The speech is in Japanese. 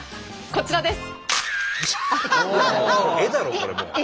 こちらです！